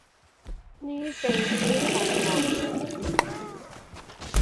นี่เป็นที่ของหมอย